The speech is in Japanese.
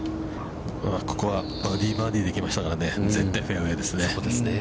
◆ここはバーディー、バーディーで来ましたからね、絶対フェアウェイですね。